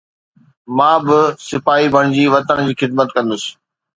مان به سپاهي بڻجي وطن جي خدمت ڪندس